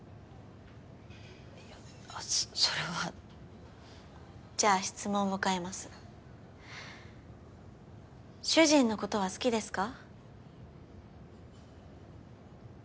いやそれはじゃあ質問を変えます主人のことは好きですか？